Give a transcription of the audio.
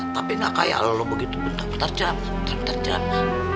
tapi gak kaya kalo lo begitu bentar bentar ceramah